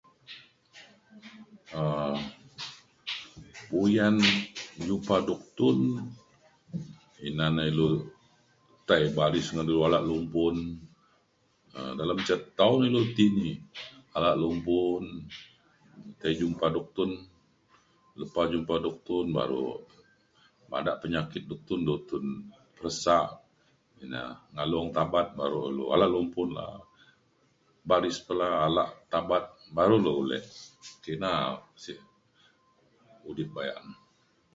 um uyan jupak duktun ina na ilu tai baris ngan dulu ala lumbun um dalem ca tau na ilu ti ini ala lumbun tai jumpa duktun. lepa jumpa duktun baru bada penyakit duktun duktun peresa ina ngalung tabat baru ala lumbun la'a baris pe la ala tabat baru lu ulek kina sek udip bayak